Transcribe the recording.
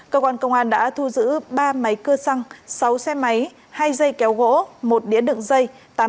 cơ quan công an đã thu giữ ba máy cơ xăng sáu xe máy hai dây kéo gỗ một đĩa đựng dây